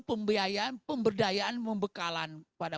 pemberdayaan membekalan pada